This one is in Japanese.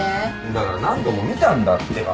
だから何度も見たんだってば。